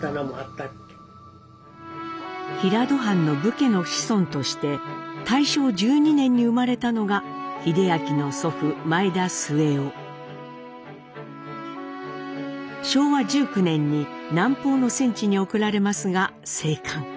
平戸藩の武家の子孫として大正１２年に生まれたのが英明の昭和１９年に南方の戦地に送られますが生還。